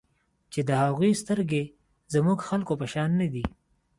چې د هغوی سترګې زموږ د خلکو په شان نه دي.